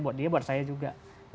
buat dia buat saya juga